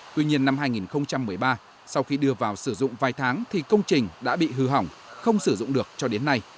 tuy nhiên năm hai nghìn một mươi ba sau khi đưa vào sử dụng vài tháng thì công trình đã bị hư hỏng không sử dụng được cho đến nay